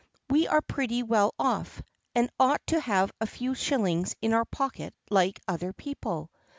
We are pretty well off, and ought to have a few shillings in our pocket like other people.